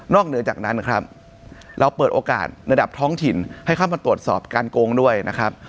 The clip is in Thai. เหนือจากนั้นครับเราเปิดโอกาสระดับท้องถิ่นให้เข้ามาตรวจสอบการโกงด้วยนะครับ